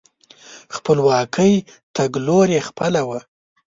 د خپلواکۍ تګلوري خپله وه.